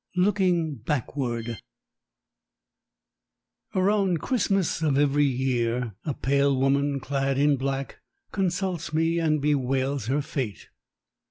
LOOKING BACKWARD Around Christmas of every year a pale woman clad in black consults me and bewails her fate.